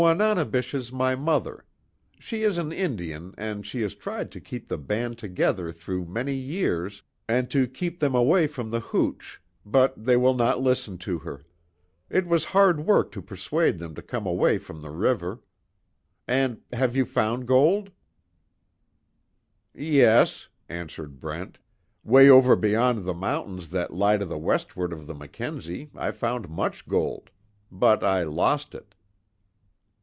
"Wananebish is my mother. She is an Indian, and she has tried to keep the band together through many years, and to keep them away from the hooch, but, they will not listen to her. It was hard work to persuade them to come away from the river. And, have you found gold?" "Yes," answered Brent, "Way over beyond the mountains that lie to the westward of the Mackenzie, I found much gold. But I lost it."